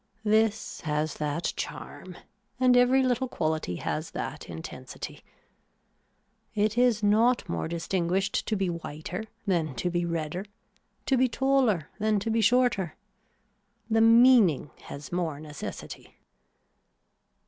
This has that charm and every little quality has that intensity. It is not more distinguished to be whiter than to be redder, to be taller than to be shorter. The meaning has more necessity.